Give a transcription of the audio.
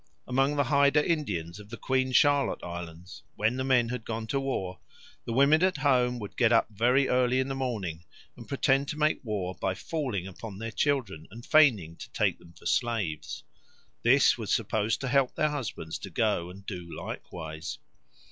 Among the Haida Indians of the Queen Charlotte Islands, when the men had gone to war, the women at home would get up very early in the morning and pretend to make war by falling upon their children and feigning to take them for slaves. This was supposed to help their husbands to go and do likewise.